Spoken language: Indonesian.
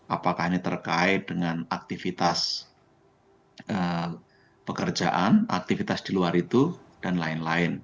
apakah ini terkait dengan aktivitas pekerjaan aktivitas di luar itu dan lain lain